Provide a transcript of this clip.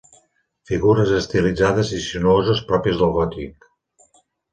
Figures estilitzades i sinuoses pròpies del gòtic.